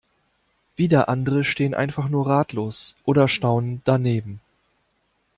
Wieder andere stehen einfach nur ratlos oder staunend daneben.